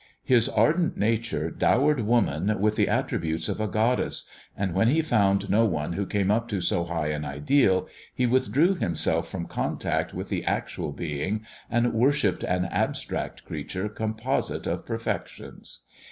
His ardent nature dowered woman with the attributes of a goddess ; and when he found no one who came up to so high an ideal, he withdrew himself from contact with the actual being and worshipped an abstract creature composite of perfections.